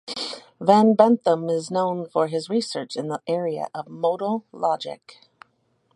Van Benthem is known for his research in the area of modal logic.